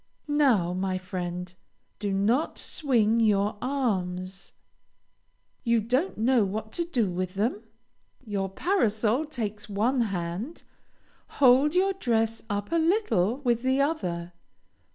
Now, my friend, do not swing your arms. You don't know what to do with them? Your parasol takes one hand; hold your dress up a little with the other.